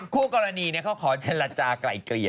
คู่กรณีเนี่ยเขาขอเจลจากรายเกลีย